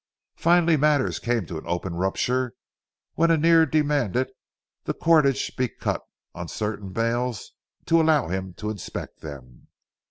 Finally matters came to an open rupture when Annear demanded that the cordage be cut on certain bales to allow him to inspect them.